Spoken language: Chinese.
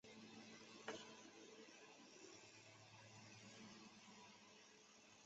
详细内容和来源请阅读分别的介绍文章。